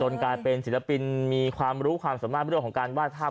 กลายเป็นศิลปินมีความรู้ความสามารถเรื่องของการวาดภาพ